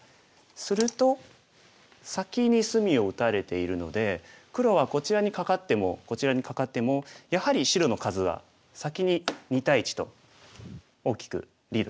すると先に隅を打たれているので黒はこちらにカカってもこちらにカカってもやはり白の数は先に２対１と大きくリードします。